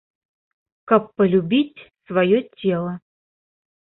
Каб палюбіць сваё цела.